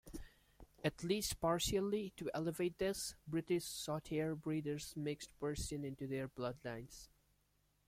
At least partially to alleviate this, British Shorthair breeders mixed Persians into their bloodlines.